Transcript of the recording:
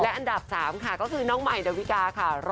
และอันดับ๓ค่ะก็คือน้องมายนวิกาค่ะ